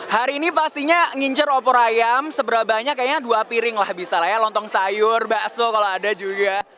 hari ini pastinya ngincer opor ayam seberapa banyak kayaknya dua piring lah bisa lah ya lontong sayur bakso kalau ada juga